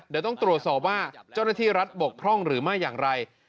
เดี๋ยวต้องตรวจสอบว่าเจ้าหน้าที่รัฐบกพร่องหรือไม่อย่างไร